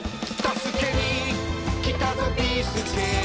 「助けにきたぞビーすけ」